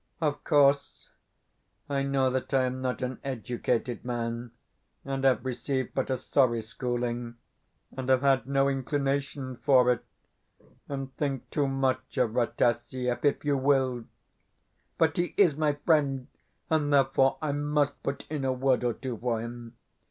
Of course, I know that I am not an educated man, and have received but a sorry schooling, and have had no inclination for it, and think too much of Rataziaev, if you will; but he is my friend, and therefore, I must put in a word or two for him.